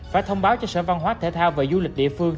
phải thông báo cho sở văn hóa thể thao và du lịch địa phương